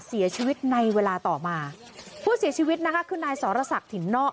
เสียชีวิตในเวลาต่อมาผู้เสียชีวิตนะคะคือนายสรษักถิ่นนอก